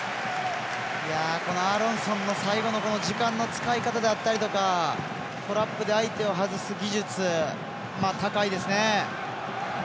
このアーロンソンの最後の時間の使い方であったりとかトラップで相手を外す技術高いですね。